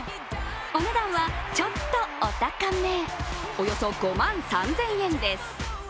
お値段はちょっとお高め、およそ５万３０００円です。